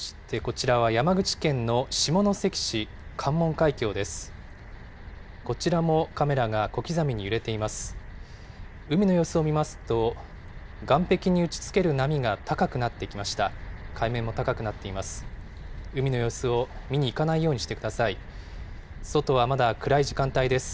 こちらもカメラが小刻みに揺れています。